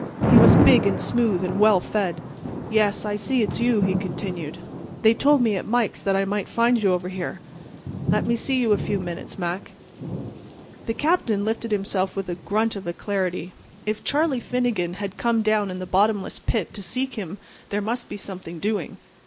He was big and smooth and well fed. "Yes, I see it's you," he continued. "They told me at Mike's that I might find you over here. Let me see you a few minutes, Mac." The Captain lifted himself with a grunt of alacrity. If Charlie Finnegan had come down in the bottomless pit to seek him there must be something doing.